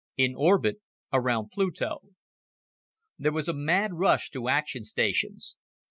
In Orbit Around Pluto There was a mad rush to action stations.